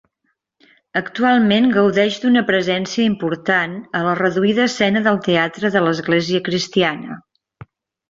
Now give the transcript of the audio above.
Actualment gaudeix d'una presència important a la reduïda escena del teatre de l'església cristiana.